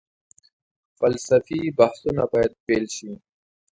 فلسفي بحثونه باید پيل شي.